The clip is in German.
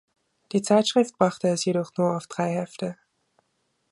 Die Zeitschrift brachte es jedoch nur auf drei Hefte.